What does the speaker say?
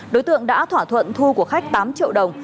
đối tượng đã thỏa thuận thu của khách tám triệu đồng